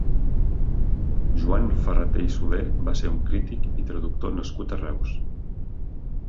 Joan Ferraté i Soler va ser un crític i traductor nascut a Reus.